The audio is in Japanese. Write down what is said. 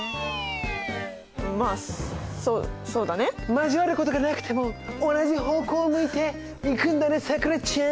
交わることがなくても同じ方向を向いていくんだねさくらちゃん。